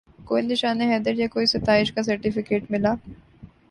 کوئی نشان حیدر یا کوئی ستائش کا سرٹیفکیٹ ملا